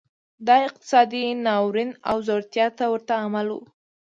دا اقتصادي ناورین او ځوړتیا ته ورته عمل و.